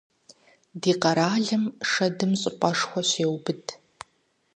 Ди къэралым шэдым щӀыпӀэшхуэ щеубыд.